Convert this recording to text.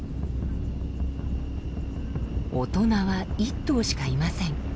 大人は１頭しかいません。